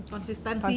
konsistensinya lah ya